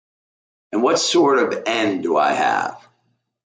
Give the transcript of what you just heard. And what sort of end do I have?